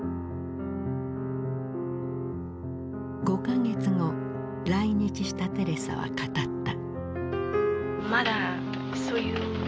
５か月後来日したテレサは語った。